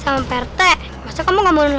eh kalau birthday misses masks di sini